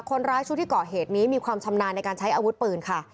คนร้ายชุดที่เกาะเหตุนี้มีความชำนาญในการใช้อาวุธปืนค่ะ